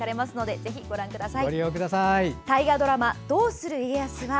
ぜひご覧ください。